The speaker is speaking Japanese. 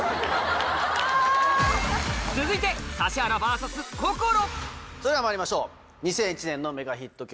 続いてそれではまいりましょう２００１年のメガヒット曲。